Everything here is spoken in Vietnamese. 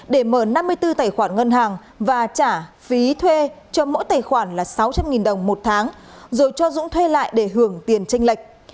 để mở năm mươi bốn tài khoản ngân hàng và trả phí thuê cho mỗi tài khoản là sáu trăm linh đồng một tháng rồi cho dũng thuê lại để hưởng tiền tranh lệch